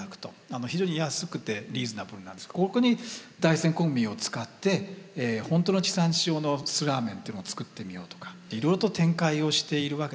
非常に安くてリーズナブルなんですがここに大山こむぎを使ってほんとの地産地消の素ラーメンというのを作ってみようとかいろいろと展開をしているわけですね。